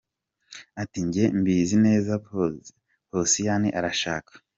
ati, Njye mbizi neza, Posiyani arashaka.